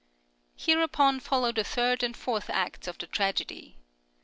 Hereupon follow the third and fourth acts of the tragedy.